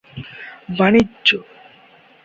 বাণিজ্য